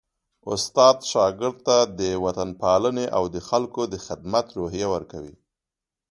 استاد شاګرد ته د وطنپالني او د خلکو د خدمت روحیه ورکوي.